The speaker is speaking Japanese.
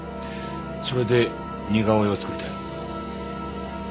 それで似顔絵を作りたい。